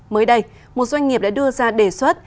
mới đây một doanh nghiệp đã đưa ra đề xuất